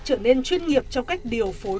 trở nên chuyên nghiệp trong cách điều phối